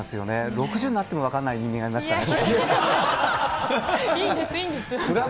６０になっても分からない人間がいますからね。